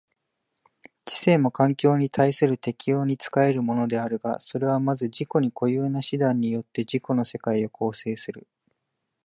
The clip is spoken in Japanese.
知性も環境に対する適応に仕えるものであるが、それはまず自己に固有な手段によって自己の世界を構成する。